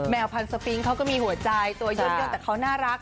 พันธปิงเขาก็มีหัวใจตัวเยอะแต่เขาน่ารัก